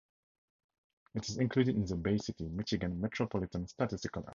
It is included in the Bay City, Michigan Metropolitan Statistical Area.